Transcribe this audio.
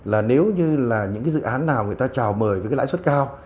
là nếu như là những cái dự án nào người ta trào mời với cái lãi suất cao